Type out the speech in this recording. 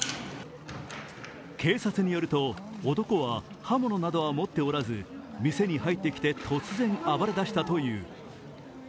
警察によると男は刃物を持っておらず店に入ってきて突然暴れだしたという。